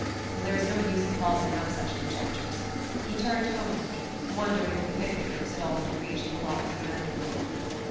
Well, there was no use in following up such conjectures.... He turned home ward, wondering if the picnickers had already reached Palazzo Vanderlyn.